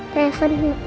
saya suka dengan omam